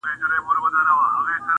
ښه مې یاد دي، چې ويل دې نور څه وايو؟